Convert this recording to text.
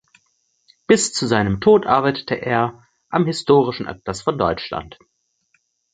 Bis zu seinem Tod arbeitete er am "Historischen Atlas von Deutschland".